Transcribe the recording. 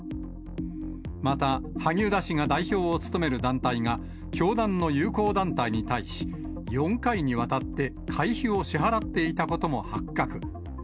また、萩生田氏が代表を務める団体が、教団の友好団体に対し、４回にわたって会費を支払っていたことも発覚。